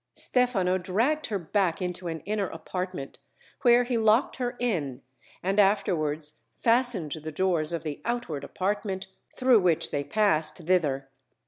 Stefano dragged her back into an inner apartment, where he locked her in, and afterwards fastened the doors of the outward apartment, through which they passed thither.